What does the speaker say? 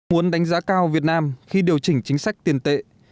muốn đánh giá cao việt nam khi điều chỉnh chính sách tiền tệ